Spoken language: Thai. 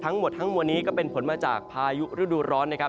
ทั้งหมดทั้งมวลนี้ก็เป็นผลมาจากพายุฤดูร้อนนะครับ